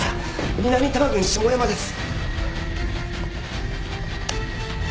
南多摩郡下山です。